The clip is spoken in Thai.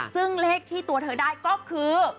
ซึ่งเลขที่เธอได้ตัวคือ๑๕